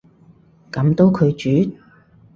噉都拒絕？